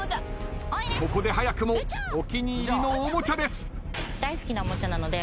ここで早くもお気に入りのおもちゃです。